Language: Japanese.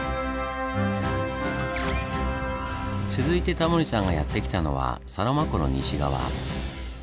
続いてタモリさんがやって来たのはサロマ湖の西側。